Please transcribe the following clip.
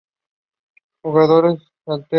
Los jugadores alternan sus turnos para jugar.